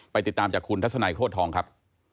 ไปติดตามจากคุณทัศนาโคฏทองครับ